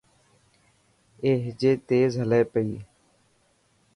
اي هجي تيز هلي پئي.